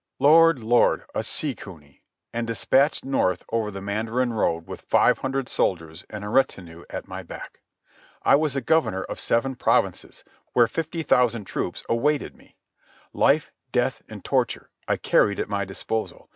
Lord, Lord, a sea cuny ... and dispatched north over the Mandarin Road with five hundred soldiers and a retinue at my back! I was a governor of seven provinces, where fifty thousand troops awaited me. Life, death, and torture, I carried at my disposal.